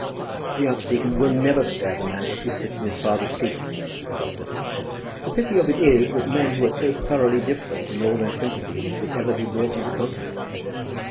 "The archdeacon will never spare the man who sits in his father's seat," said the doctor. "The pity of it is that men who are so thoroughly different in all their sympathies should ever be brought into contact."